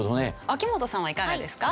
秋元さんはいかがですか？